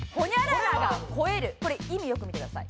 これ意味よく見てください。